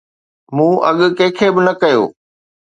مون اڳ ڪڏهن به نه ڪيو